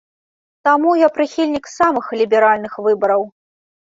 Таму я прыхільнік самых ліберальных выбараў.